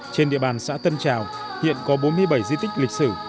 trên địa bàn xã tân trào hiện có bốn mươi bảy di tích lịch sử